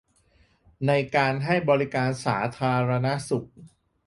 ในการให้บริการสาธารณสุข